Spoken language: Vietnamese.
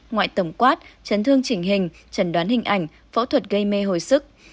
ngoại tổng quát chấn thương chỉnh hình trần đoán hình ảnh phẫu thuật gây mê hồi sức